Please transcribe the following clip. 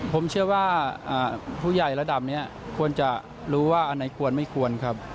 ผมเชื่อว่าผู้ใหญ่ระดับนี้ควรจะรู้ว่าอันไหนควรไม่ควรครับ